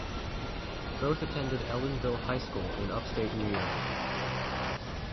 Both attended Ellenville High School in upstate New York.